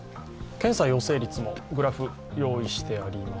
検査陽性率のグラフも用意しています。